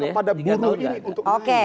kepada buruh ini untuk maju